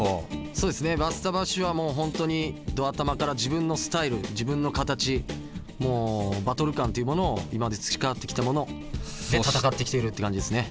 そうですねＢｕｓｔａＢａｓｈはもう本当にど頭から自分のスタイル自分の形もうバトル感というものを今まで培ってきたもので戦ってきてるって感じですね。